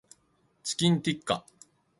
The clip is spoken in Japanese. チキンティッカ